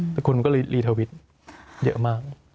แต่คนก็รีเทอร์วิตเยอะมาก